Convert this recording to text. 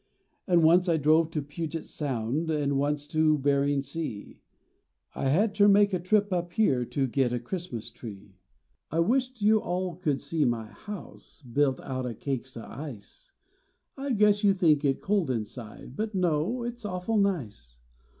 An once I drove to Puget s Sound An once to Behring Sea ; I had ter make a trip up there To get a Christmas tree. I wish t you all could see my house, Built out o cakes o ice ; I guess you think it cold inside, But no, it s awful nice.